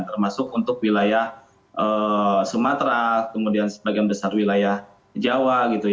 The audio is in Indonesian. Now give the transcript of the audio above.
termasuk untuk wilayah sumatera kemudian sebagian besar wilayah jawa